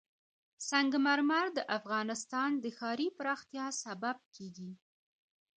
سنگ مرمر د افغانستان د ښاري پراختیا سبب کېږي.